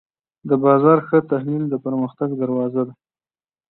د بازار ښه تحلیل د پرمختګ دروازه ده.